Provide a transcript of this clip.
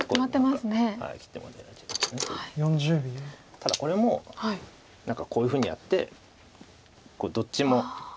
ただこれも何かこういうふうにやってどっちも。